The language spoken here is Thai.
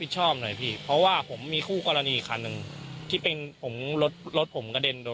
ใช่พี่เดือดร้อน